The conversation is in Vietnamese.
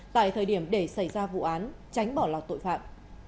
tại thời điểm để xảy ra vụ án tránh bỏ lọt tội phạm